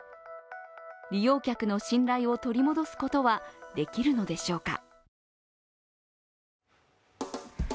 利用客の信頼を取り戻すことはできるのでしょうか。